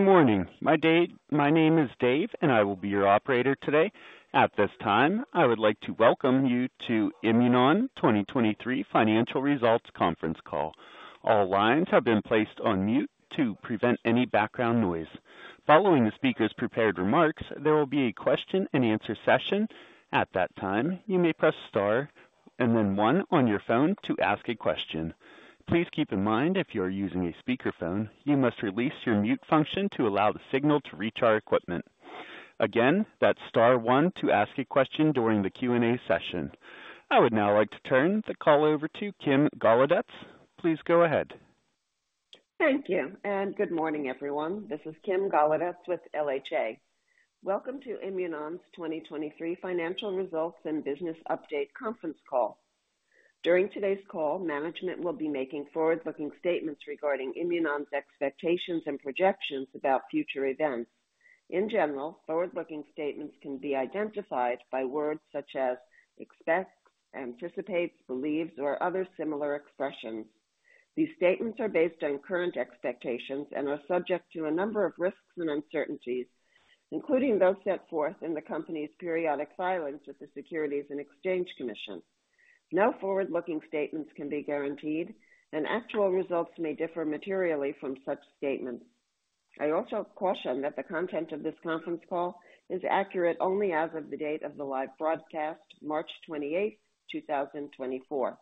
Good morning. My name is Dave, and I will be your operator today. At this time, I would like to welcome you to Imunon 2023 financial results conference call. All lines have been placed on mute to prevent any background noise. Following the speaker's prepared remarks, there will be a question-and-answer session. At that time, you may press star and then one on your phone to ask a question. Please keep in mind, if you are using a speakerphone, you must release your mute function to allow the signal to reach our equipment. Again, that's star one to ask a question during the Q&A session. I would now like to turn the call over to Kim Golodetz. Please go ahead. Thank you, and good morning, everyone. This is Kim Golodetz with LHA. Welcome to Imunon's 2023 financial results and business update conference call. During today's call, management will be making forward-looking statements regarding Imunon's expectations and projections about future events. In general, forward-looking statements can be identified by words such as expect, anticipate, believes, or other similar expressions. These statements are based on current expectations and are subject to a number of risks and uncertainties, including those set forth in the company's periodic filings with the Securities and Exchange Commission. No forward-looking statements can be guaranteed, and actual results may differ materially from such statements. I also caution that the content of this conference call is accurate only as of the date of the live broadcast, March 28, 2024.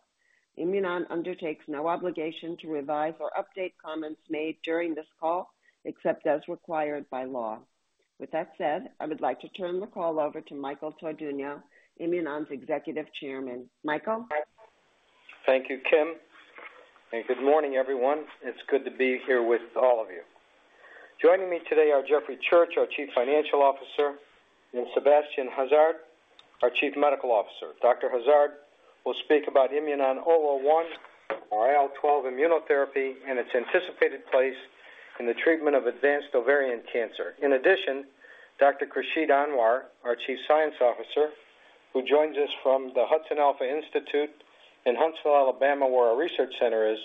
Imunon undertakes no obligation to revise or update comments made during this call, except as required by law. With that said, I would like to turn the call over to Michael Tardugno, Imunon's Executive Chairman. Michael? Thank you, Kim, and good morning, everyone. It's good to be here with all of you. Joining me today are Jeffrey Church, our Chief Financial Officer, and Sébastien Hazard, our Chief Medical Officer. Dr. Hazard will speak about IMNN-001, our IL-12 immunotherapy, and its anticipated place in the treatment of advanced ovarian cancer. In addition, Dr. Khursheed Anwer, our Chief Science Officer, who joins us from the HudsonAlpha Institute in Huntsville, Alabama, where our research center is.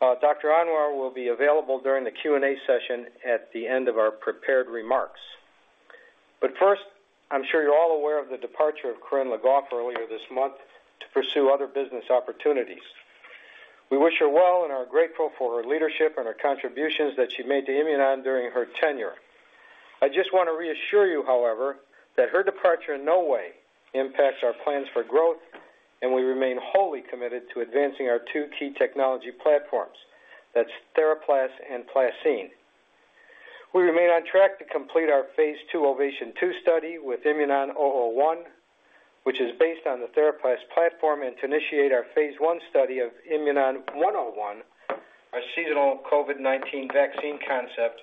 Dr. Anwer will be available during the Q&A session at the end of our prepared remarks. But first, I'm sure you're all aware of the departure of Corinne Le Goff earlier this month to pursue other business opportunities. We wish her well and are grateful for her leadership and her contributions that she made to Imunon during her tenure. I just want to reassure you, however, that her departure in no way impacts our plans for growth, and we remain wholly committed to advancing our two key technology platforms. That's TheraPlas and PlaCCine. We remain on track to complete our Phase 1 OVATION 2 study with IMNN-001, which is based on the TheraPlas platform, and to initiate our phase 1 study of IMNN-101, our seasonal COVID-19 vaccine concept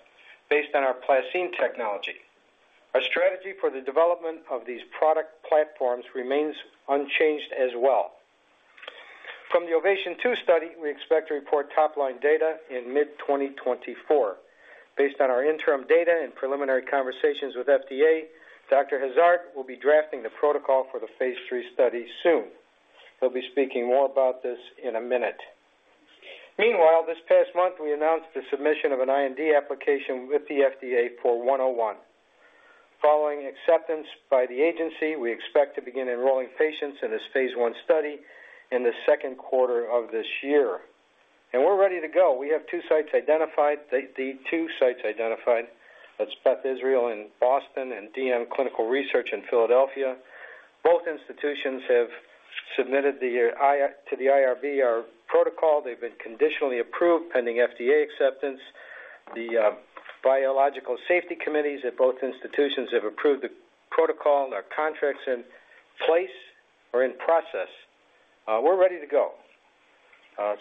based on our PlaCCine technology. Our strategy for the development of these product platforms remains unchanged as well. From the OVATION 2 study, we expect to report top-line data in mid-2024. Based on our interim data and preliminary conversations with FDA, Dr. Hazard will be drafting the protocol for the phase 3 study soon. He'll be speaking more about this in a minute. Meanwhile, this past month, we announced the submission of an IND application with the FDA for 101. Following acceptance by the agency, we expect to begin enrolling patients in this Phase 1 study in the second quarter of this year, and we're ready to go. We have two sites identified. The two sites identified, that's Beth Israel in Boston and DM Clinical Research in Philadelphia. Both institutions have submitted to the IRB our protocol. They've been conditionally approved, pending FDA acceptance. The biological safety committees at both institutions have approved the protocol and our contract's in place or in process. We're ready to go.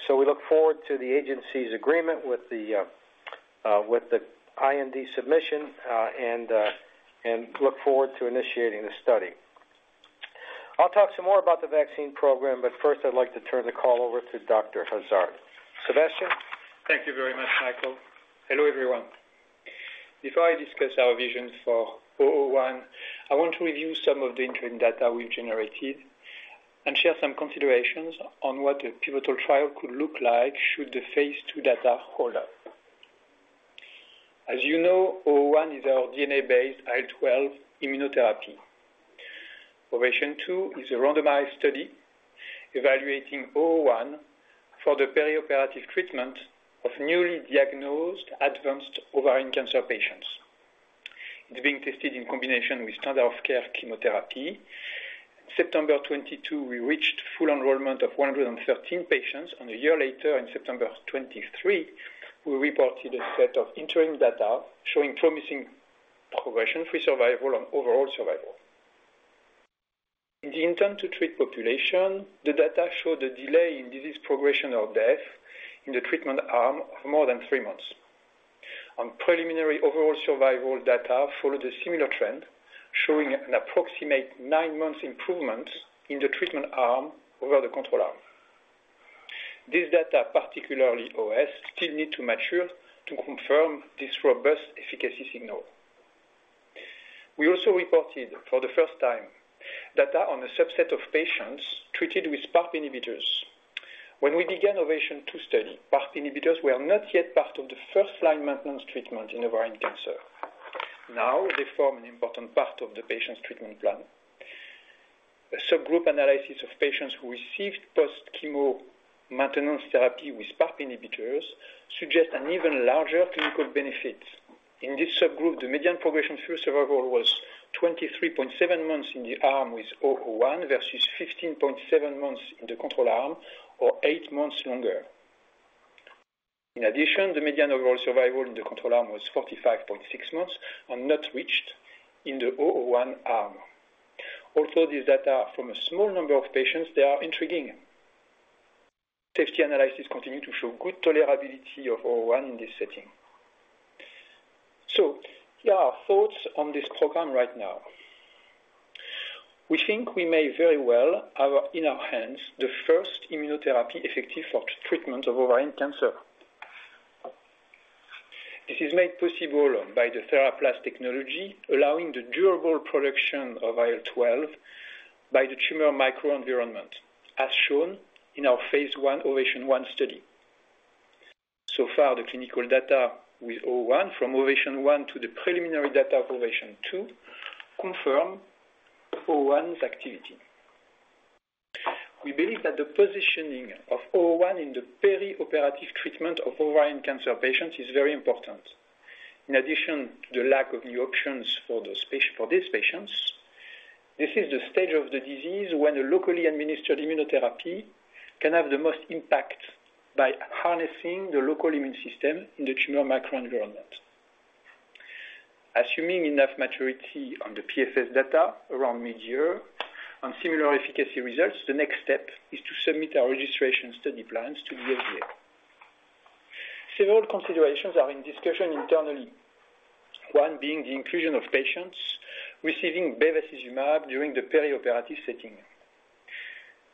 So we look forward to the agency's agreement with the IND submission, and look forward to initiating the study. I'll talk some more about the vaccine program, but first I'd like to turn the call over to Dr. Hazard. Sébastien? Thank you very much, Michael. Hello, everyone. Before I discuss our vision for IMNN-001, I want to review some of the interim data we've generated and share some considerations on what a pivotal trial could look like should the Phase 1 data hold up. As you know, IMNN-001 is our DNA-based IL-12 immunotherapy. OVATION 2 is a randomized study evaluating IMNN-001 for the perioperative treatment of newly diagnosed advanced ovarian cancer patients. It's being tested in combination with standard of care chemotherapy. September 2022, we reached full enrollment of 113 patients, and a year later, in September 2023, we reported a set of interim data showing promising progression-free survival and overall survival. In the intent-to-treat population, the data showed a delay in disease progression or death in the treatment arm of more than 3 months. On preliminary overall survival data followed a similar trend, showing an approximate 9-month improvement in the treatment arm over the control arm. This data, particularly OS, still need to mature to confirm this robust efficacy signal... We also reported for the first time data on a subset of patients treated with PARP inhibitors. When we began OVATION 2 study, PARP inhibitors were not yet part of the first-line maintenance treatment in ovarian cancer. Now they form an important part of the patient's treatment plan. A subgroup analysis of patients who received post-chemo maintenance therapy with PARP inhibitors suggests an even larger clinical benefit. In this subgroup, the median progression-free survival was 23.7 months in the arm with IMNN-001 versus 15.7 months in the control arm, or 8 months longer. In addition, the median overall survival in the control arm was 45.6 months, and not reached in the 001 arm. Although these data are from a small number of patients, they are intriguing. Safety analysis continue to show good tolerability of 001 in this setting. So here are our thoughts on this program right now. We think we may very well have in our hands the first immunotherapy effective for treatment of ovarian cancer. This is made possible by the TheraPlas technology, allowing the durable production of IL-12 by the tumor microenvironment, as shown in our Phase 1 OVATION 1 study. So far, the clinical data with 001 from OVATION 1 to the preliminary data of OVATION 2 confirm 001's activity. We believe that the positioning of 001 in the perioperative treatment of ovarian cancer patients is very important. In addition to the lack of new options for those for these patients, this is the stage of the disease when a locally administered immunotherapy can have the most impact by harnessing the local immune system in the tumor microenvironment. Assuming enough maturity on the PFS data around midyear on similar efficacy results, the next step is to submit our registration study plans to the FDA. Several considerations are in discussion internally, one being the inclusion of patients receiving bevacizumab during the perioperative setting.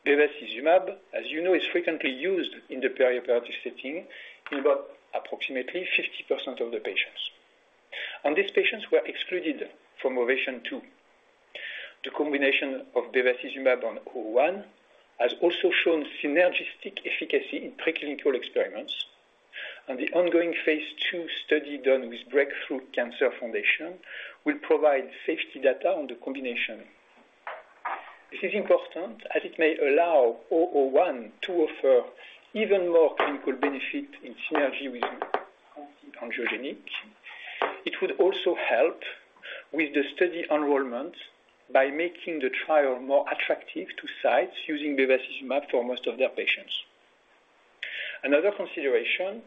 Bevacizumab, as you know, is frequently used in the perioperative setting in about approximately 50% of the patients, and these patients were excluded from OVATION 2. The combination of bevacizumab on IMNN-001 has also shown synergistic efficacy in preclinical experiments, and the ongoing Phase 2 study done with Break Through Cancer will provide safety data on the combination. This is important as it may allow IMNN-001 to offer even more clinical benefit in synergy with angiogenic. It would also help with the study enrollment by making the trial more attractive to sites using bevacizumab for most of their patients. Another consideration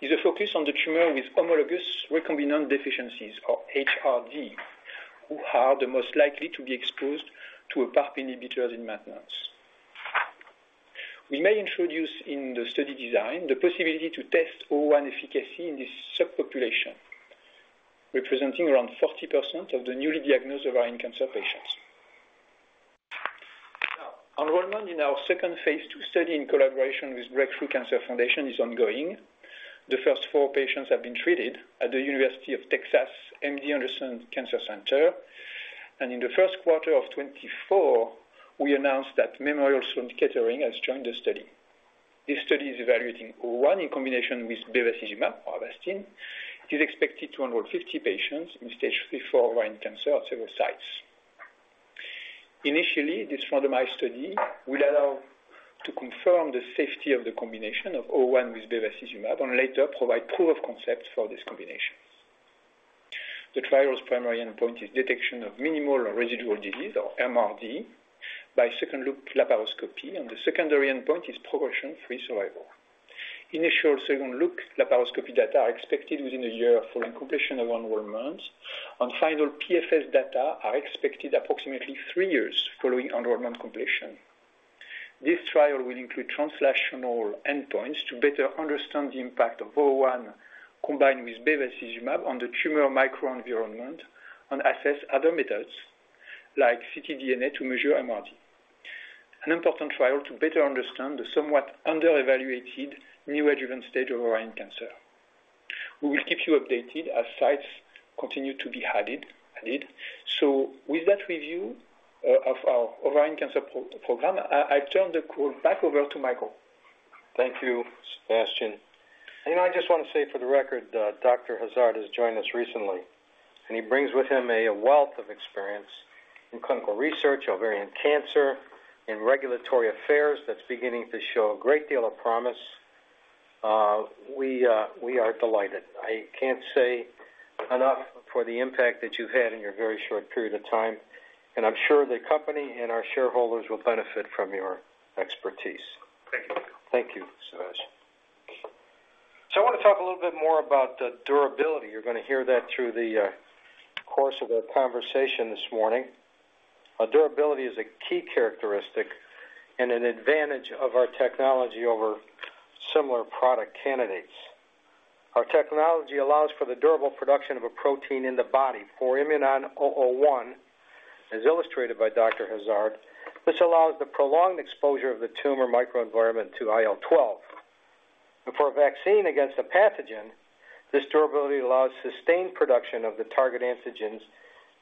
is a focus on the tumor with homologous recombination deficiency, or HRD, who are the most likely to be exposed to a PARP inhibitor in maintenance. We may introduce in the study design the possibility to test IMNN-001 efficacy in this subpopulation, representing around 40% of the newly diagnosed ovarian cancer patients. Now, enrollment in our second Phase 2 study in collaboration with Break Through Cancer is ongoing. The first four patients have been treated at the University of Texas MD Anderson Cancer Center, and in the first quarter of 2024, we announced that Memorial Sloan Kettering has joined the study. This study is evaluating IMNN-001 in combination with bevacizumab, Avastin. It is expected to enroll 50 patients in stage 3, 4 ovarian cancer at several sites. Initially, this randomized study will allow to confirm the safety of the combination of IMNN-001 with bevacizumab, and later provide proof of concept for this combination. The trial's primary endpoint is detection of minimal or residual disease, or MRD, by second-look laparoscopy, and the secondary endpoint is progression-free survival. Initial second-look laparoscopy data are expected within a year following completion of enrollments, and final PFS data are expected approximately 3 years following enrollment completion. This trial will include translational endpoints to better understand the impact of IMNN-001 combined with bevacizumab on the tumor microenvironment, and assess other methods like ctDNA to measure MRD. An important trial to better understand the somewhat underevaluated neoadjuvant stage of ovarian cancer. We will keep you updated as sites continue to be added. So with that review of our ovarian cancer program, I turn the call back over to Michael. Thank you, Sébastien. And I just want to say for the record, Dr. Sébastien Hazard has joined us recently, and he brings with him a wealth of experience in clinical research, ovarian cancer, in regulatory affairs that's beginning to show a great deal of promise. We are delighted. I can't say enough for the impact that you've had in your very short period of time, and I'm sure the company and our shareholders will benefit from your expertise. Thank you. Thank you, Sébastien. So I want to talk a little bit more about the durability. You're going to hear that through the course of our conversation this morning. Durability is a key characteristic and an advantage of our technology over similar product candidates. Our technology allows for the durable production of a protein in the body, for IMNN-001, as illustrated by Dr. Hazard. This allows the prolonged exposure of the tumor microenvironment to IL-12. But for a vaccine against a pathogen, this durability allows sustained production of the target antigens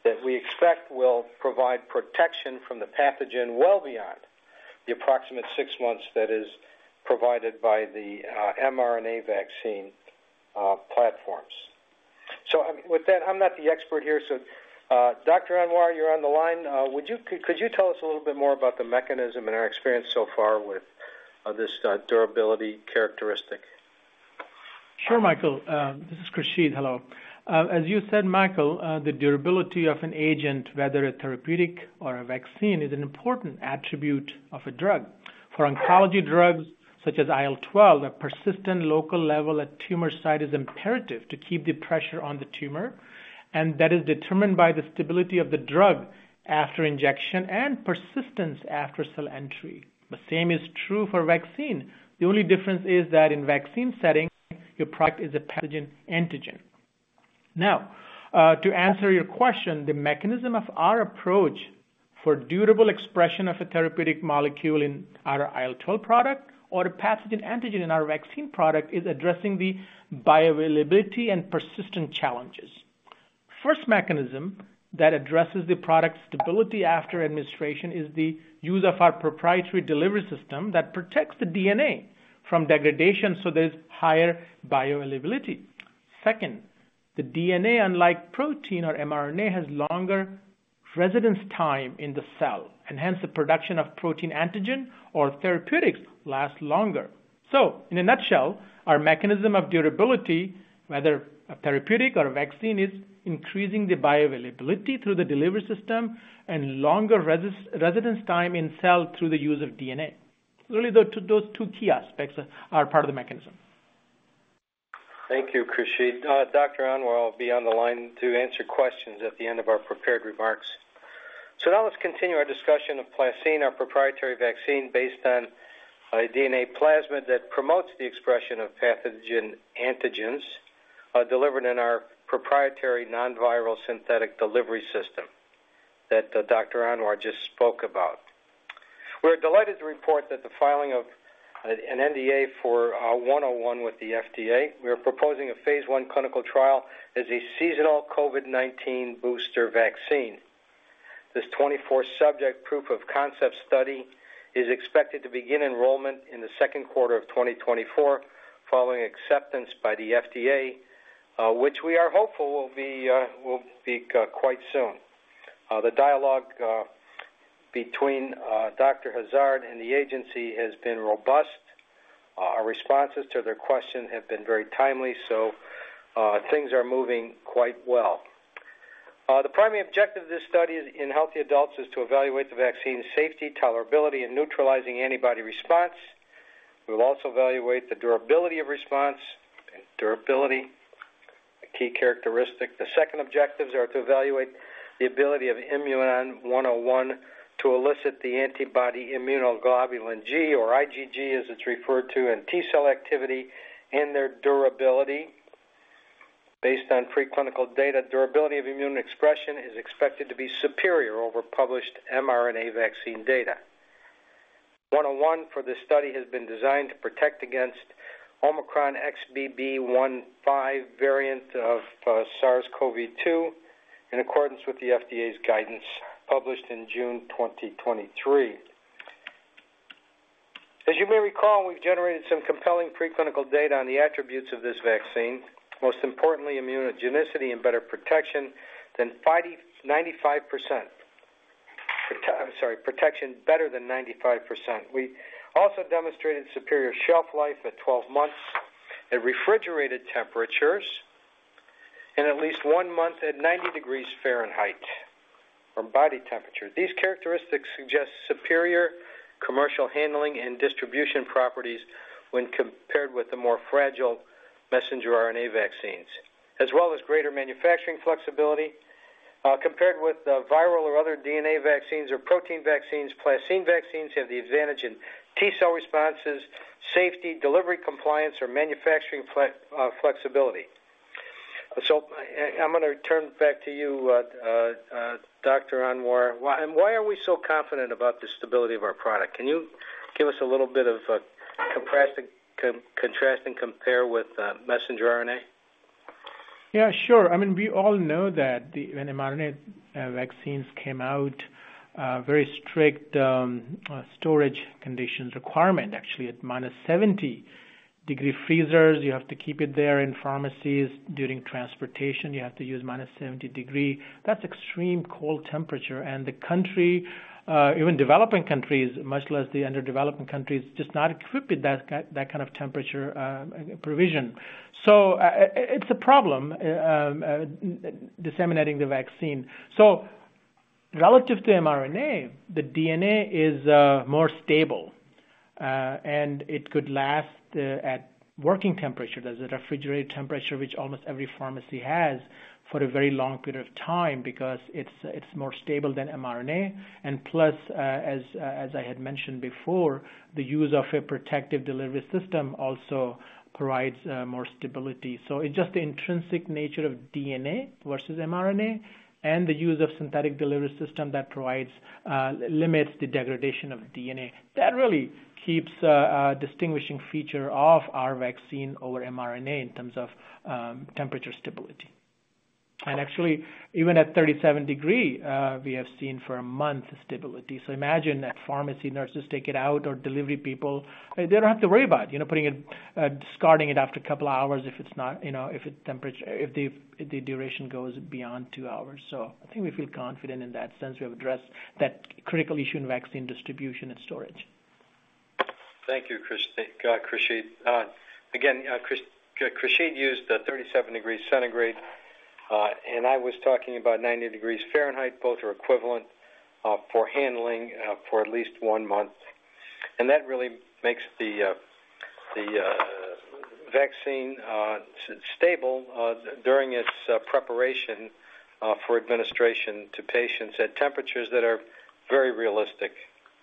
that we expect will provide protection from the pathogen well beyond the approximate six months that is provided by the mRNA vaccine platforms. So, with that, I'm not the expert here, so, Dr. Anwer, you're on the line. Could you tell us a little bit more about the mechanism and our experience so far with this durability characteristic? Sure, Michael. This is Khursheed. Hello. As you said, Michael, the durability of an agent, whether a therapeutic or a vaccine, is an important attribute of a drug. For oncology drugs, such as IL-12, a persistent local level at tumor site is imperative to keep the pressure on the tumor, and that is determined by the stability of the drug after injection and persistence after cell entry. The same is true for vaccine. The only difference is that in vaccine setting, your product is a pathogen antigen. Now, to answer your question, the mechanism of our approach for durable expression of a therapeutic molecule in our IL-12 product or the pathogen antigen in our vaccine product, is addressing the bioavailability and persistent challenges. First mechanism that addresses the product's stability after administration, is the use of our proprietary delivery system that protects the DNA from degradation, so there's higher bioavailability. Second, the DNA, unlike protein or mRNA, has longer residence time in the cell, and hence, the production of protein antigen or therapeutics lasts longer. So in a nutshell, our mechanism of durability, whether a therapeutic or a vaccine, is increasing the bioavailability through the delivery system and longer residence time in cell through the use of DNA. Really, those two, those two key aspects are, are part of the mechanism. Thank you, Khursheed. Dr. Anwar will be on the line to answer questions at the end of our prepared remarks. Now let's continue our discussion of PlaCCine, our proprietary vaccine, based on a DNA plasmid that promotes the expression of pathogen antigens, delivered in our proprietary non-viral synthetic delivery system that Dr. Anwar just spoke about. We're delighted to report that the filing of an IND for IMNN-101 with the FDA. We are proposing a Phase 1 clinical trial as a seasonal COVID-19 booster vaccine. This 24-subject proof of concept study is expected to begin enrollment in the second quarter of 2024, following acceptance by the FDA, which we are hopeful will be quite soon. The dialogue between Dr. Sébastien Hazard and the agency has been robust. Our responses to their question have been very timely, so things are moving quite well. The primary objective of this study in healthy adults is to evaluate the vaccine's safety, tolerability, and neutralizing antibody response. We'll also evaluate the durability of response and durability, a key characteristic. The second objectives are to evaluate the ability of Imunon 101 to elicit the antibody immunoglobulin G or IgG, as it's referred to, in T-cell activity and their durability. Based on preclinical data, durability of immune expression is expected to be superior over published mRNA vaccine data. 101 for this study has been designed to protect against Omicron XBB.1.5 variant of SARS-CoV-2, in accordance with the FDA's guidance published in June 2023. As you may recall, we've generated some compelling preclinical data on the attributes of this vaccine, most importantly, immunogenicity and protection better than 95%. We also demonstrated superior shelf life at 12 months at refrigerated temperatures, and at least 1 month at 90 degrees Fahrenheit from body temperature. These characteristics suggest superior commercial handling and distribution properties when compared with the more fragile messenger RNA vaccines, as well as greater manufacturing flexibility, compared with the viral or other DNA vaccines or protein vaccines. PlaCCine vaccines have the advantage in T-cell responses, safety, delivery, compliance or manufacturing flexibility. So I, I'm gonna return back to you, Dr. Anwer. Why are we so confident about the stability of our product? Can you give us a little bit of a contrast and compare with messenger RNA? Yeah, sure. I mean, we all know that when mRNA vaccines came out, very strict storage conditions requirement, actually, at minus 70-degree freezers. You have to keep it there in pharmacies. During transportation, you have to use minus 70-degree. That's extreme cold temperature. And the country, even developing countries, much less the under-developing countries, just not equipped with that kind, that kind of temperature provision. So, it's a problem disseminating the vaccine. So relative to mRNA, the DNA is more stable, and it could last at working temperature, as a refrigerated temperature, which almost every pharmacy has, for a very long period of time, because it's more stable than mRNA. And plus, as I had mentioned before, the use of a protective delivery system also provides more stability. So it's just the intrinsic nature of DNA versus mRNA, and the use of synthetic delivery system that provides limits the degradation of DNA. That really keeps a distinguishing feature of our vaccine over mRNA in terms of temperature stability. And actually, even at 37 degrees, we have seen for a month stability. So imagine that pharmacy nurses take it out or delivery people, they don't have to worry about, you know, putting it, discarding it after a couple of hours if it's not, you know, if the duration goes beyond two hours. So I think we feel confident in that sense. We have addressed that critical issue in vaccine distribution and storage. Thank you, Chris, Khursheed. Again, Chris, Khursheed used the 37 degrees centigrade, and I was talking about 90 degrees Fahrenheit. Both are equivalent, for handling, for at least one month. And that really makes the, the, vaccine, stable, during its, preparation, for administration to patients at temperatures that are very realistic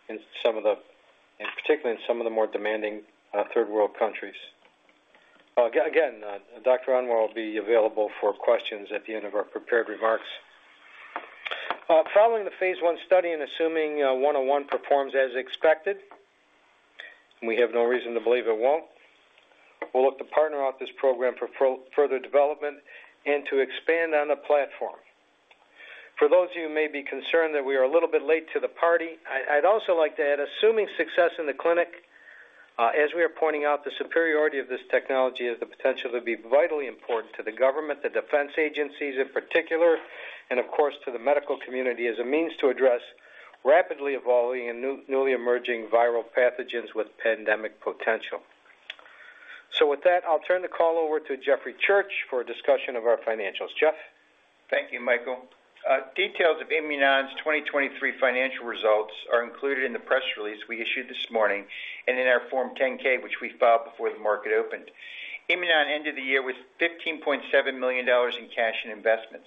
in some of the – and particularly in some of the more demanding, third world countries. Again, Dr. Anwer will be available for questions at the end of our prepared remarks. Following the phase 1 study and assuming, 101 performs as expected, we have no reason to believe it won't. We'll look to partner off this program for further development and to expand on the platform. For those of you who may be concerned that we are a little bit late to the party, I, I'd also like to add, assuming success in the clinic, as we are pointing out, the superiority of this technology has the potential to be vitally important to the government, the defense agencies in particular, and of course, to the medical community, as a means to address rapidly evolving and newly emerging viral pathogens with pandemic potential. So with that, I'll turn the call over to Jeffrey Church for a discussion of our financials. Jeff? Thank you, Michael. Details of Imunon's 2023 financial results are included in the press release we issued this morning, and in our Form 10-K, which we filed before the market opened. Imunon ended the year with $15.7 million in cash and investments.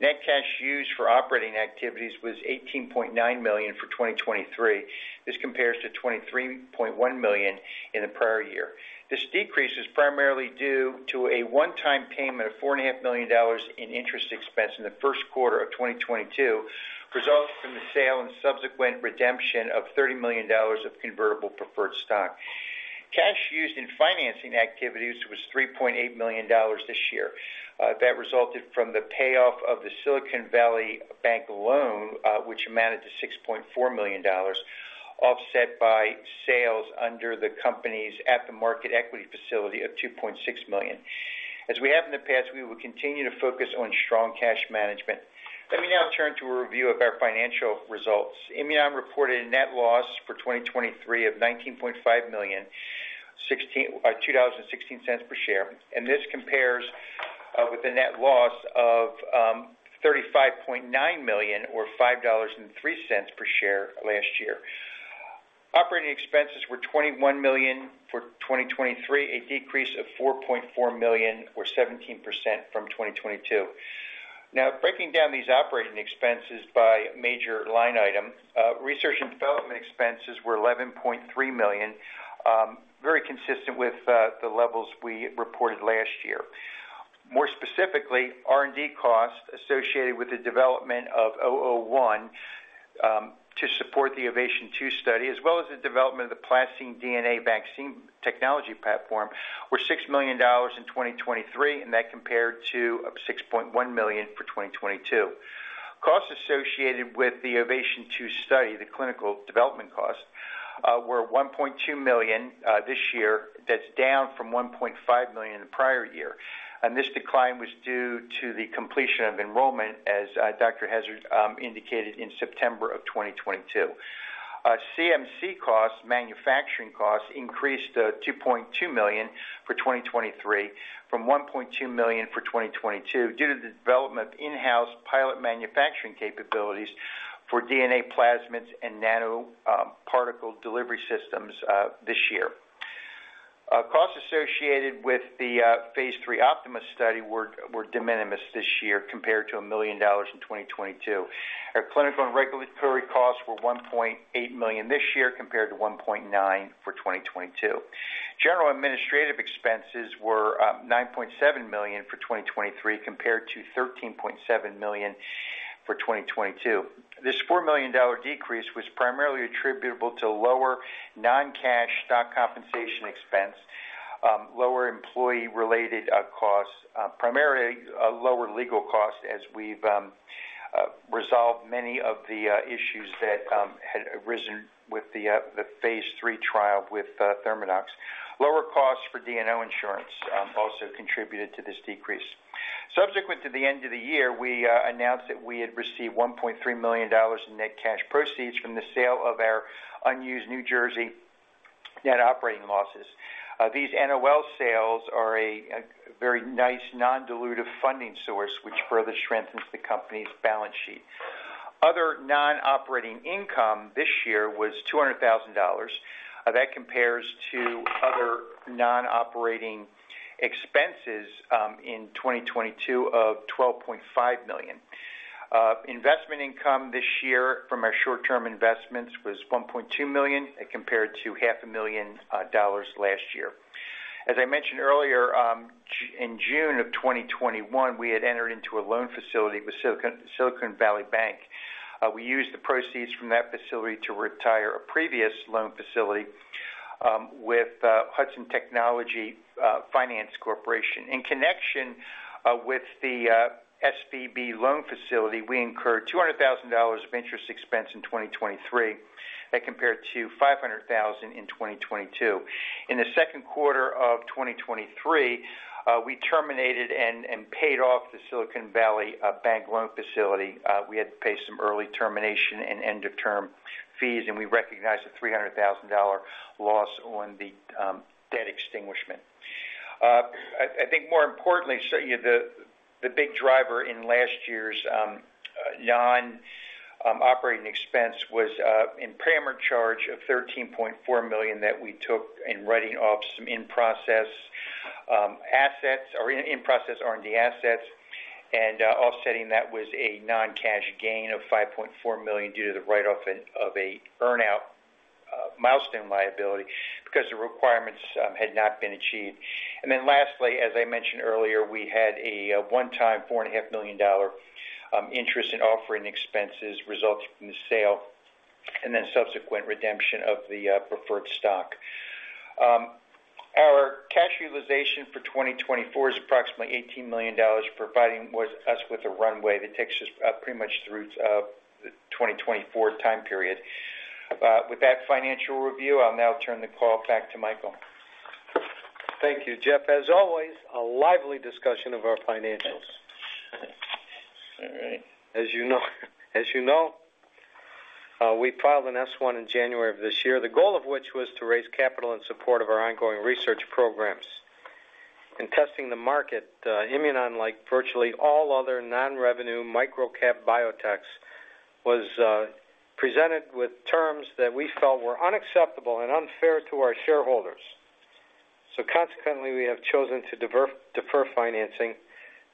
Net cash used for operating activities was $18.9 million for 2023. This compares to $23.1 million in the prior year. This decrease is primarily due to a one-time payment of $4.5 million in interest expense in the first quarter of 2022, resulting from the sale and subsequent redemption of $30 million of convertible preferred stock. Cash used in financing activities was $3.8 million this year. That resulted from the payoff of the Silicon Valley Bank loan, which amounted to $6.4 million, offset by sales under the company's at-the-market equity facility of $2.6 million. As we have in the past, we will continue to focus on strong cash management. Let me now turn to a review of our financial results. Imunon reported a net loss for 2023 of $19.5 million, $2.16 per share, and this compares with a net loss of $35.9 million, or $5.03 per share last year. Operating expenses were $21 million for 2023, a decrease of $4.4 million, or 17% from 2022. Now, breaking down these operating expenses by major line item, research and development expenses were $11.3 million, very consistent with the levels we reported last year. More specifically, R&D costs associated with the development of IMNN-001 to support the OVATION 2 study, as well as the development of the PlaCCine DNA vaccine technology platform, were $6 million in 2023, and that compared to $6.1 million for 2022. Costs associated with the OVATION 2 study, the clinical development costs, were $1.2 million this year. That's down from $1.5 million in the prior year. And this decline was due to the completion of enrollment, as Dr. Hazard indicated in September of 2022. CMC costs, manufacturing costs, increased to $2.2 million for 2023, from $1.2 million for 2022, due to the development of in-house pilot manufacturing capabilities for DNA plasmids and nanoparticle delivery systems, this year. Costs associated with the phase 3 OPTIMA study were de minimis this year, compared to $1 million in 2022. Our clinical and regulatory costs were $1.8 million this year, compared to $1.9 million for 2022. General administrative expenses were $9.7 million for 2023, compared to $13.7 million for 2022. This $4 million decrease was primarily attributable to lower non-cash stock compensation expense, lower employee-related costs, primarily lower legal costs, as we've resolved many of the issues that had arisen with the phase 3 trial with ThermoDox. Lower costs for D&O insurance also contributed to this decrease. Subsequent to the end of the year, we announced that we had received $1.3 million in net cash proceeds from the sale of our unused New Jersey net operating losses. These NOL sales are a very nice non-dilutive funding source, which further strengthens the company's balance sheet. Other non-operating income this year was $200,000. That compares to other non-operating expenses in 2022 of $12.5 million. Investment income this year from our short-term investments was $1.2 million. It compared to $500,000 last year. As I mentioned earlier, in June of 2021, we had entered into a loan facility with Silicon Valley Bank. We used the proceeds from that facility to retire a previous loan facility with Horizon Technology Finance Corporation. In connection with the SVB loan facility, we incurred $200,000 of interest expense in 2023. That compared to $500,000 in 2022. In the second quarter of 2023, we terminated and paid off the Silicon Valley Bank loan facility. We had to pay some early termination and end of term fees, and we recognized a $300,000 loss on the debt extinguishment. I think more importantly, the big driver in last year's non-operating expense was an impairment charge of $13.4 million that we took in writing off some in-process assets or in-process R&D assets, and offsetting that was a non-cash gain of $5.4 million due to the write-off of an earn-out milestone liability, because the requirements had not been achieved. And then lastly, as I mentioned earlier, we had a one-time $4.5 million in interest and offering expenses resulting from the sale, and then subsequent redemption of the preferred stock. Our cash utilization for 2024 is approximately $18 million, providing us with a runway that takes us pretty much through the 2024 time period. With that financial review, I'll now turn the call back to Michael. Thank you, Jeff. As always, a lively discussion of our financials. All right. As you know, as you know, we filed an S-1 in January of this year, the goal of which was to raise capital in support of our ongoing research programs. In testing the market, Imunon, like virtually all other non-revenue micro cap biotechs, was presented with terms that we felt were unacceptable and unfair to our shareholders. So consequently, we have chosen to defer financing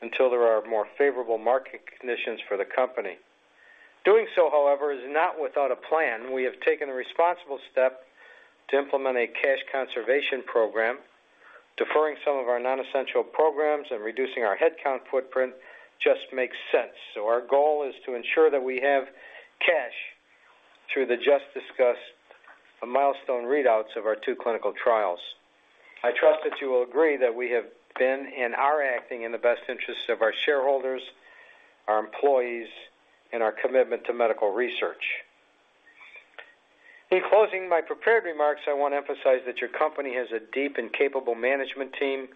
until there are more favorable market conditions for the company. Doing so, however, is not without a plan. We have taken a responsible step to implement a cash conservation program, deferring some of our non-essential programs and reducing our headcount footprint just makes sense. So our goal is to ensure that we have cash through the just discussed milestone readouts of our two clinical trials. I trust that you will agree that we have been and are acting in the best interests of our shareholders, our employees, and our commitment to medical research. In closing my prepared remarks, I want to emphasize that your company has a deep and capable management team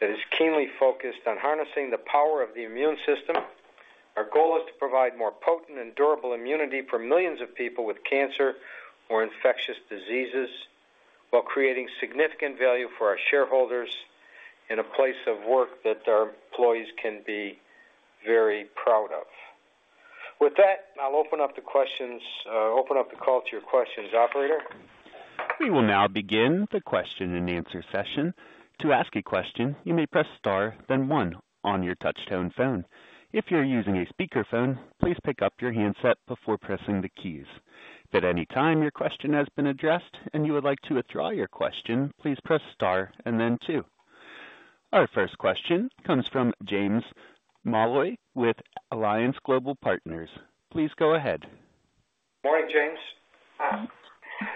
that is keenly focused on harnessing the power of the immune system. Our goal is to provide more potent and durable immunity for millions of people with cancer or infectious diseases, while creating significant value for our shareholders in a place of work that our employees can be very proud of. With that, I'll open up the questions. Open up the call to your questions, Operator? We will now begin the question and answer session. To ask a question, you may press star, then one on your touchtone phone. If you're using a speakerphone, please pick up your handset before pressing the keys. If at any time your question has been addressed and you would like to withdraw your question, please press star and then two. Our first question comes from James Molloy with Alliance Global Partners. Please go ahead. Morning, James.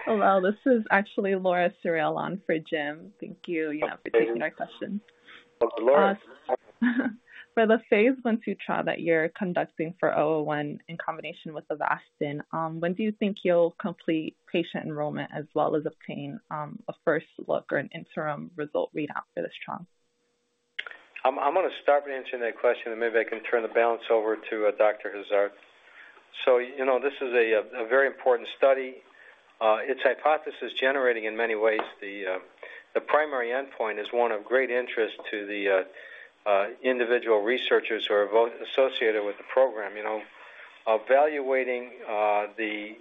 Hello, this is actually Laura Suriel for Jim. Thank you, yeah, for taking my question. Laura. For the phase 1/2 trial that you're conducting for IMNN-001 in combination with Avastin, when do you think you'll complete patient enrollment as well as obtain a first look or an interim result readout for this trial? I'm gonna start by answering that question, and maybe I can turn it over to Dr. Hazard. So you know, this is a very important study. It's hypothesis generating in many ways, the primary endpoint is one of great interest to the individual researchers who are associated with the program. You know, evaluating the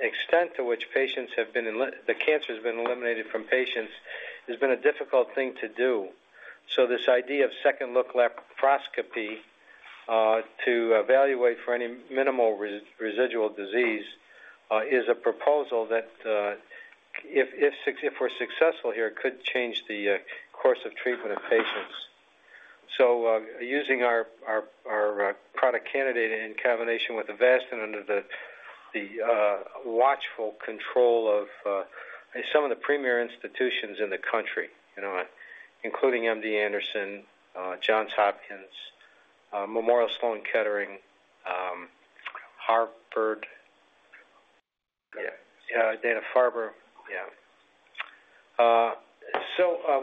extent to which the cancer has been eliminated from patients has been a difficult thing to do. So this idea of second look laparoscopy to evaluate for any minimal residual disease is a proposal that if we're successful here, could change the course of treatment of patients. So, using our product candidate in combination with Avastin under the watchful control of some of the premier institutions in the country, you know, including MD Anderson, Johns Hopkins, Memorial Sloan Kettering, Harvard, Dana-Farber. Yeah.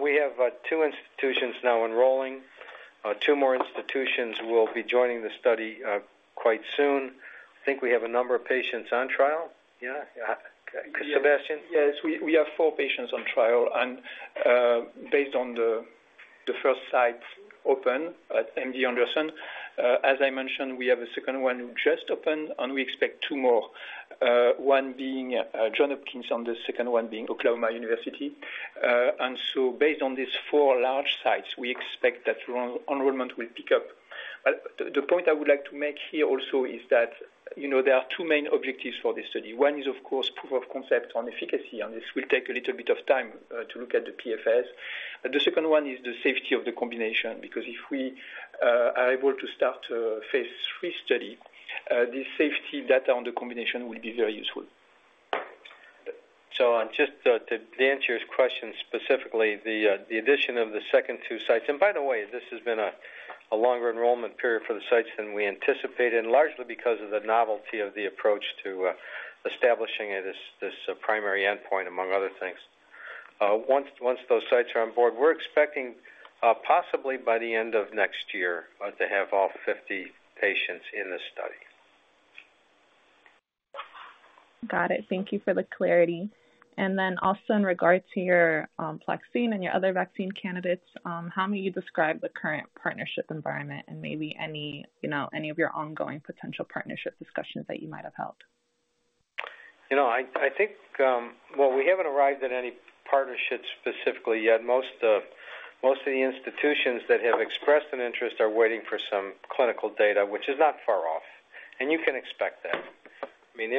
We have two institutions now enrolling. Two more institutions will be joining the study quite soon. I think we have a number of patients on trial. Yeah, yeah. Sébastien? Yes, we have four patients on trial and, based on the first site open at MD Anderson, as I mentioned, we have a second one just open, and we expect two more, one being Johns Hopkins, and the second one being University of Oklahoma. And so based on these four large sites, we expect that enrollment will pick up. The point I would like to make here also is that, you know, there are two main objectives for this study. One is, of course, proof of concept on efficacy, and this will take a little bit of time to look at the PFS. The second one is the safety of the combination, because if we are able to start a phase three study, the safety data on the combination will be very useful. ...So, to answer your question specifically, the addition of the second two sites, and by the way, this has been a longer enrollment period for the sites than we anticipated, and largely because of the novelty of the approach to establishing this primary endpoint, among other things. Once those sites are on board, we're expecting possibly by the end of next year to have all 50 patients in this study. Got it. Thank you for the clarity. And then also in regards to your PlaCCine and your other vaccine candidates, how may you describe the current partnership environment and maybe any, you know, any of your ongoing potential partnership discussions that you might have held? You know, I think, well, we haven't arrived at any partnerships specifically yet. Most of the institutions that have expressed an interest are waiting for some clinical data, which is not far off, and you can expect that. I mean,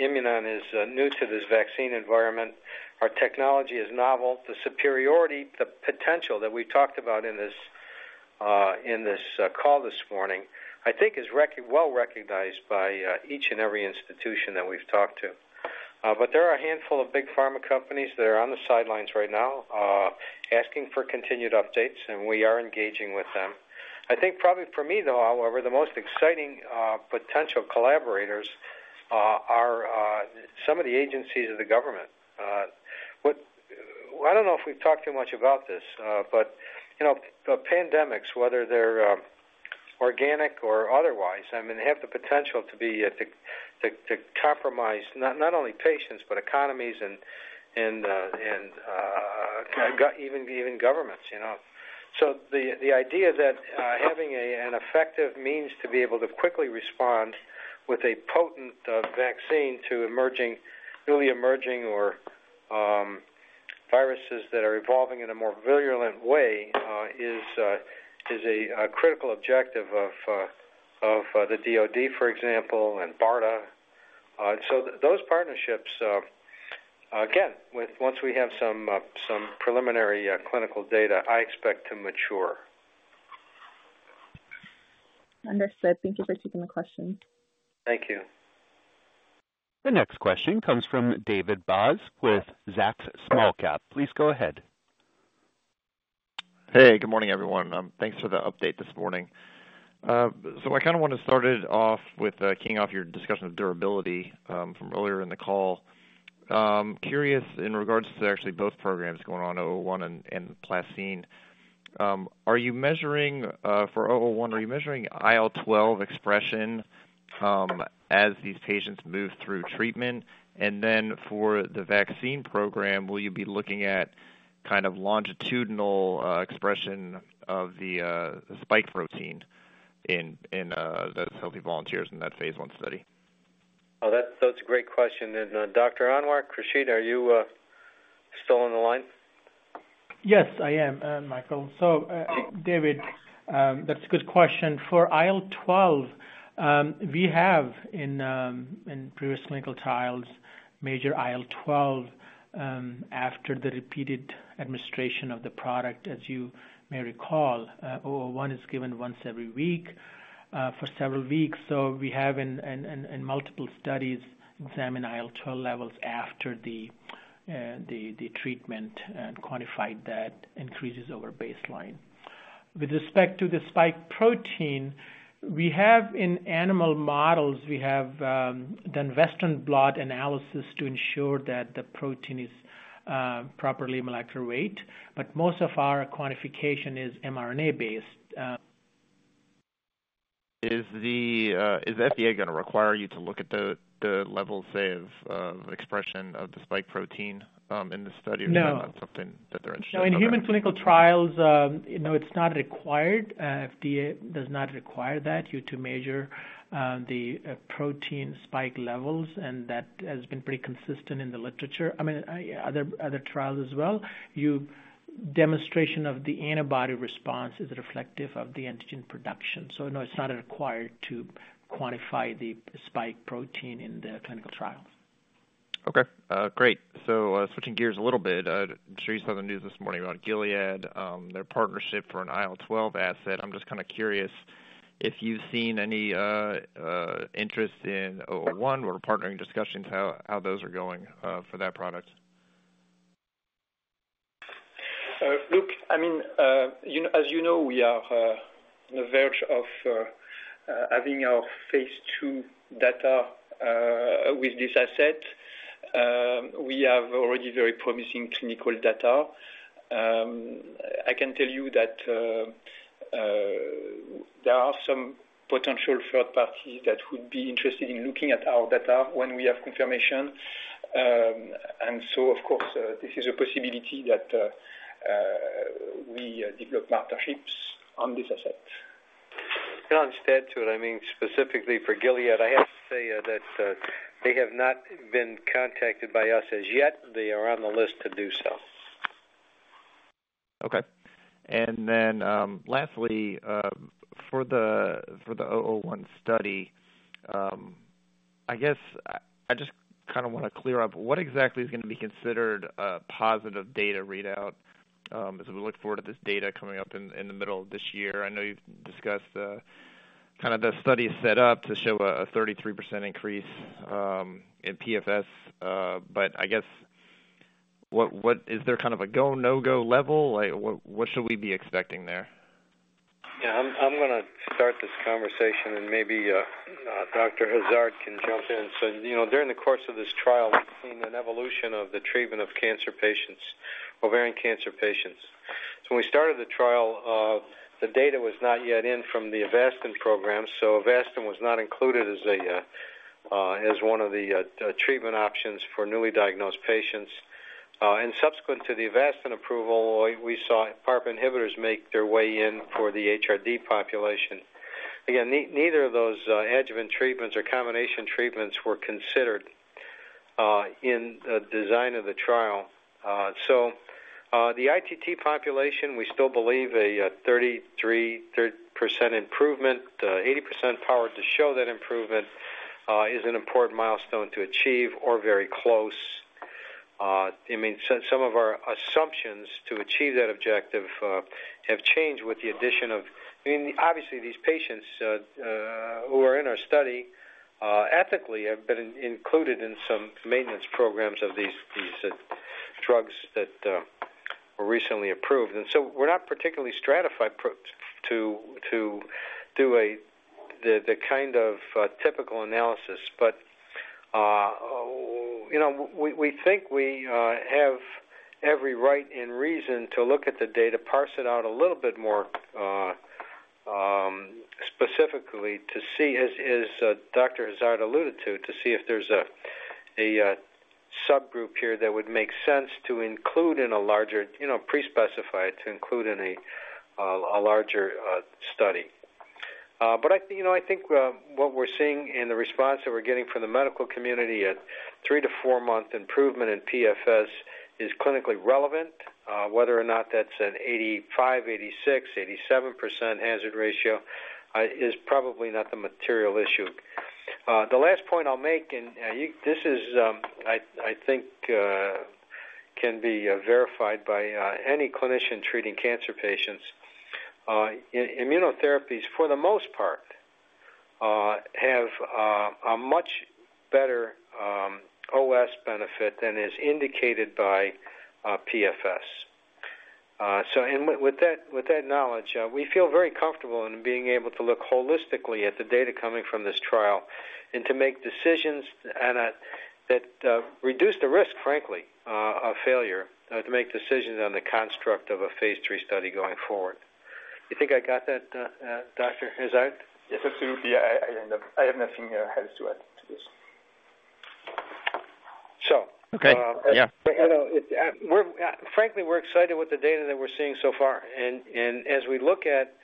Imunon is new to this vaccine environment. Our technology is novel. The superiority, the potential that we talked about in this call this morning, I think is well recognized by each and every institution that we've talked to. But there are a handful of big pharma companies that are on the sidelines right now, asking for continued updates, and we are engaging with them. I think probably for me, though, however, the most exciting potential collaborators are some of the agencies of the government. I don't know if we've talked too much about this, but, you know, pandemics, whether they're organic or otherwise, I mean, they have the potential to compromise not only patients, but economies and even governments, you know? So the idea that having an effective means to be able to quickly respond with a potent vaccine to emerging, newly emerging, or viruses that are evolving in a more virulent way is a critical objective of the DoD, for example, and BARDA. So those partnerships, again, with once we have some preliminary clinical data, I expect to mature. Understood. Thank you for taking the question. Thank you. The next question comes from David Bautz with Zacks Small-Cap Research. Please go ahead. Hey, good morning, everyone. Thanks for the update this morning. So I kinda wanna start it off with, keying off your discussion of durability, from earlier in the call. Curious in regards to actually both programs going on, 001 and, and PlaCCine. Are you measuring, for 001, are you measuring IL-12 expression, as these patients move through treatment? And then for the vaccine program, will you be looking at kind of longitudinal, expression of the, the spike protein in, in, the healthy volunteers in that phase 1 study? Oh, that's, that's a great question. Dr. Khursheed Anwer, are you still on the line? Yes, I am, Michael. So, David, that's a good question. For IL-12, we have in previous clinical trials measured IL-12 after the repeated administration of the product. As you may recall, IMNN-001 is given once every week for several weeks. So we have in multiple studies examined IL-12 levels after the treatment and quantified that increases over baseline. With respect to the spike protein, we have in animal models done Western blot analysis to ensure that the protein is properly molecular weight, but most of our quantification is mRNA-based. Is the FDA gonna require you to look at the level, say, of expression of the spike protein in the study? No. Or is that not something that they're interested in? No, in human clinical trials, no, it's not required. FDA does not require that, you to measure, the protein spike levels, and that has been pretty consistent in the literature. I mean, other, other trials as well, demonstration of the antibody response is reflective of the antigen production. So no, it's not required to quantify the spike protein in the clinical trial. Okay, great. So, switching gears a little bit, I'm sure you saw the news this morning about Gilead, their partnership for an IL-12 asset. I'm just kinda curious if you've seen any interest in OO1 or partnering discussions, how those are going, for that product? Look, I mean, you know, as you know, we are on the verge of having our phase two data with this asset. We have already very promising clinical data. I can tell you that there are some potential third parties that would be interested in looking at our data when we have confirmation. And so, of course, this is a possibility that we develop partnerships on this asset. Instead to what I mean, specifically for Gilead, I have to say, that they have not been contacted by us as yet. They are on the list to do so. Okay. And then, lastly, for the OO1 study, I guess I just kinda wanna clear up what exactly is gonna be considered a positive data readout as we look forward to this data coming up in the middle of this year? I know you've discussed kind of the study set up to show a 33% increase in PFS. But I guess, what is there kind of a go, no-go level? Like, what should we be expecting there? Yeah, I'm gonna start this conversation, and maybe Dr. Hazard can jump in. So, you know, during the course of this trial, we've seen an evolution of the treatment of cancer patients, ovarian cancer patients. So when we started the trial, the data was not yet in from the Avastin program, so Avastin was not included as one of the treatment options for newly diagnosed patients. And subsequent to the Avastin approval, we saw PARP inhibitors make their way in for the HRD population. Again, neither of those adjuvant treatments or combination treatments were considered in the design of the trial. So, the ITT population, we still believe a 33% improvement, 80% power to show that improvement, is an important milestone to achieve or very close. I mean, some of our assumptions to achieve that objective have changed with the addition of... I mean, obviously, these patients who are in our study ethically have been included in some maintenance programs of these drugs that were recently approved. And so we're not particularly stratified to do the kind of typical analysis. But you know, we think we have every right and reason to look at the data, parse it out a little bit more specifically to see, as Dr. Hazard alluded to, if there's a subgroup here that would make sense to include in a larger, you know, pre-specified study. But you know, I think what we're seeing in the response that we're getting from the medical community, a 3-4-month improvement in PFS is clinically relevant. Whether or not that's an 85, 86, 87% hazard ratio is probably not the material issue. The last point I'll make, and this is, I think, can be verified by any clinician treating cancer patients. Immunotherapies, for the most part, have a much better OS benefit than is indicated by PFS. So, with that knowledge, we feel very comfortable in being able to look holistically at the data coming from this trial and to make decisions that reduce the risk, frankly, of failure, to make decisions on the construct of a phase 3 study going forward. You think I got that, Dr. Hazard? Yes, absolutely. I have nothing else to add to this. So- Okay, yeah. You know, we're frankly, we're excited with the data that we're seeing so far. And as we look at...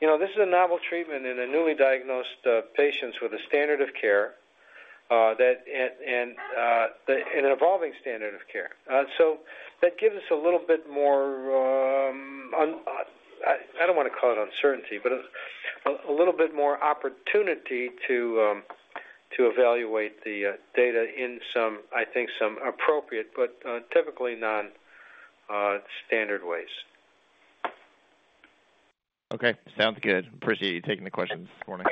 You know, this is a novel treatment in newly diagnosed patients with a standard of care that and an evolving standard of care. So that gives us a little bit more. I don't want to call it uncertainty, but a little bit more opportunity to evaluate the data in some, I think, some appropriate, but typically non standard ways. Okay, sounds good. Appreciate you taking the questions this morning.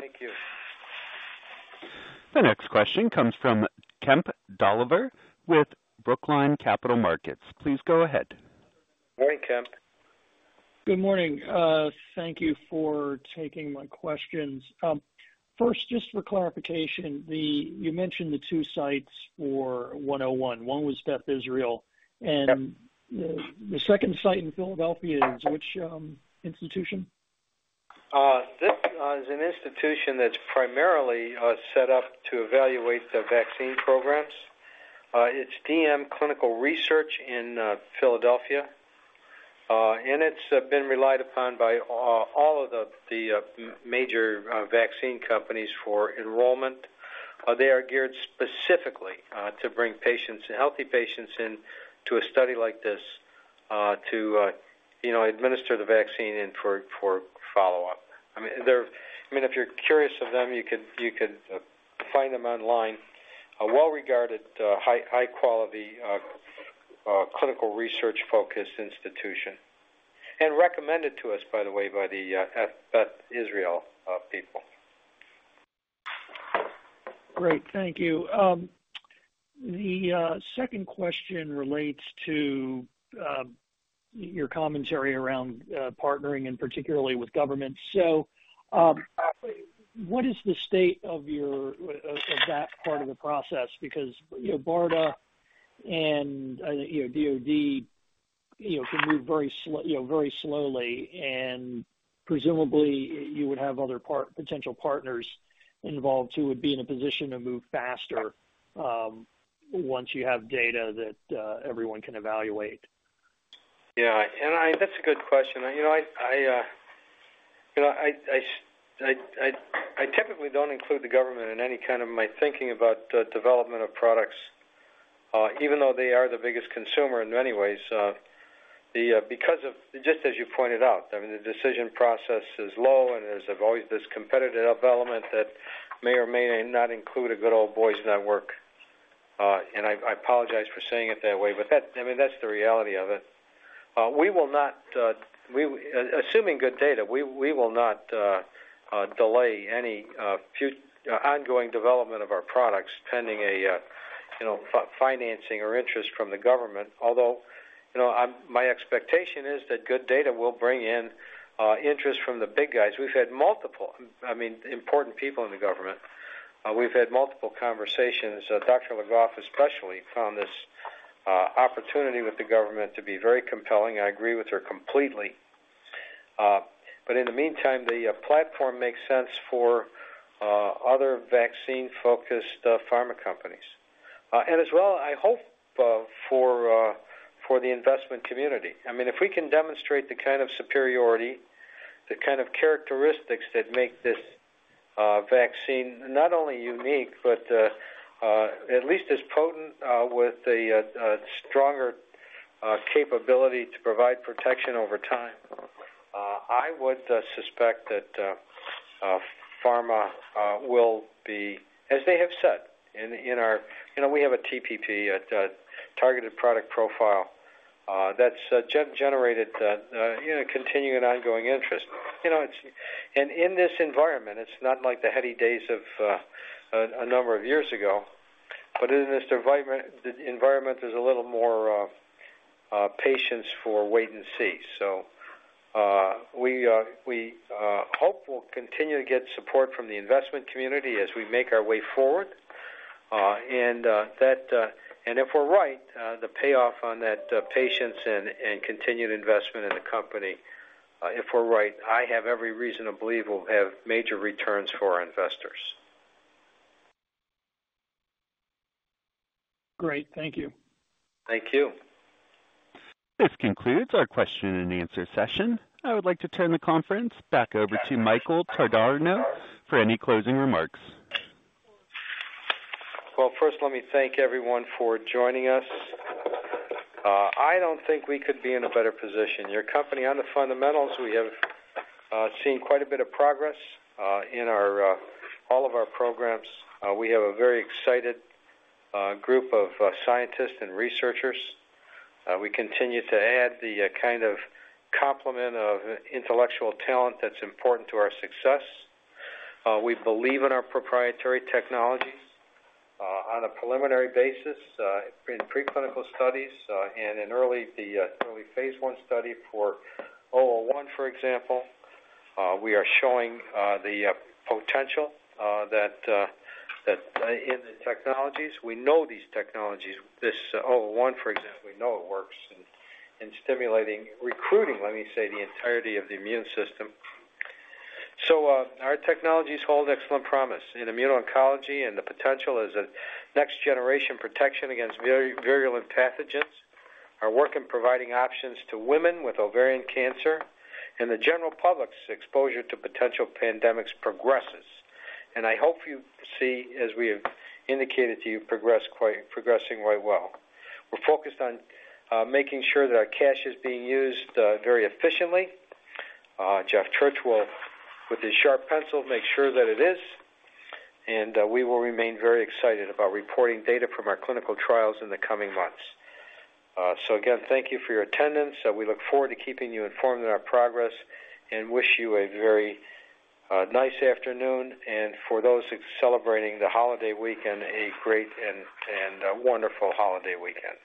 Thank you. The next question comes from Kemp Dolliver with Brookline Capital Markets. Please go ahead. Morning, Kemp. Good morning. Thank you for taking my questions. First, just for clarification, the, you mentioned the two sites for 101. One was Beth Israel, and- Yep. The second site in Philadelphia is which institution? This is an institution that's primarily set up to evaluate the vaccine programs. It's DM Clinical Research in Philadelphia. And it's been relied upon by all of the major vaccine companies for enrollment. They are geared specifically to bring healthy patients in to a study like this, you know, to administer the vaccine and for follow-up. I mean, they're... I mean, if you're curious of them, you could find them online. A well-regarded high-quality clinical research-focused institution, and recommended to us, by the way, by the Beth Israel people. Great, thank you. The second question relates to your commentary around partnering and particularly with government. So, what is the state of your that part of the process? Because, you know, BARDA and, you know, DOD, you know, can move very slow, you know, very slowly, and presumably, you would have other potential partners involved who would be in a position to move faster, once you have data that everyone can evaluate. Yeah, that's a good question. You know, I typically don't include the government in any kind of my thinking about the development of products, even though they are the biggest consumer in many ways. Because of, just as you pointed out, I mean, the decision process is low, and there's always this competitive development that may or may not include a good old boys network. And I apologize for saying it that way, but that, I mean, that's the reality of it. We will not, assuming good data, we will not delay any ongoing development of our products pending a, you know, financing or interest from the government. Although, you know, my expectation is that good data will bring in interest from the big guys. We've had multiple, I mean, important people in the government. We've had multiple conversations. Dr. Le Goff especially found this opportunity with the government to be very compelling, and I agree with her completely. But in the meantime, the platform makes sense for other vaccine-focused pharma companies. And as well, I hope, for the investment community. I mean, if we can demonstrate the kind of superiority, the kind of characteristics that make this vaccine not only unique, but at least as potent, with a stronger capability to provide protection over time, I would suspect that pharma will be, as they have said, in our- You know, we have a TPP, a targeted product profile, that's generated, you know, continuing and ongoing interest. You know, it's... And in this environment, it's not like the heady days of a number of years ago, but in this environment, the environment, there's a little more patience for wait and see. So, we hope we'll continue to get support from the investment community as we make our way forward. If we're right, the payoff on that patience and continued investment in the company, if we're right, I have every reason to believe we'll have major returns for our investors. Great. Thank you. Thank you. This concludes our question and answer session. I would like to turn the conference back over to Michael Tardugno for any closing remarks. Well, first, let me thank everyone for joining us. I don't think we could be in a better position. Your company, on the fundamentals, we have seen quite a bit of progress in all of our programs. We have a very excited group of scientists and researchers. We continue to add the kind of complement of intellectual talent that's important to our success. We believe in our proprietary technologies on a preliminary basis in preclinical studies and in the early phase 1 study for IMNN-001, for example, we are showing the potential that that in the technologies. We know these technologies. This IMNN-001, for example, we know it works in stimulating, recruiting, let me say, the entirety of the immune system. Our technologies hold excellent promise in immuno-oncology, and the potential as a next-generation protection against virulent pathogens, our work in providing options to women with ovarian cancer, and the general public's exposure to potential pandemics progresses. I hope you see, as we have indicated to you, progress progressing quite well. We're focused on making sure that our cash is being used very efficiently. Jeff Church will, with his sharp pencil, make sure that it is, and we will remain very excited about reporting data from our clinical trials in the coming months. So again, thank you for your attendance. We look forward to keeping you informed on our progress, and wish you a very nice afternoon, and for those celebrating the holiday weekend, a great and a wonderful holiday weekend.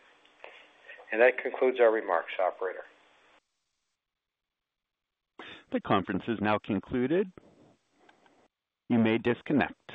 That concludes our remarks, operator. The conference is now concluded. You may disconnect.